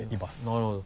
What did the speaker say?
なるほど。